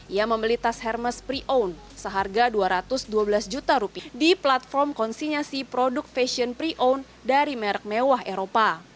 ia membeli tas hermes pre owned seharga rp dua ratus dua belas juta rupiah di platform konsinyasi produk fashion pre ound dari merek mewah eropa